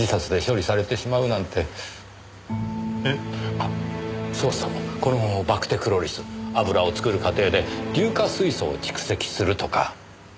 あっそうそうこのバクテクロリス油を作る過程で硫化水素を蓄積するとか。